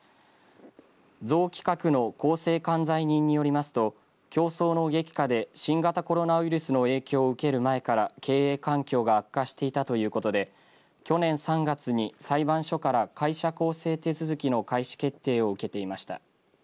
象企画の更生管財人によりますと競争の激化で新型コロナウイルスの影響を受ける前から経営環境が悪化していたということで去年３月に裁判所から会社更生手続きの開始決定を受けていました。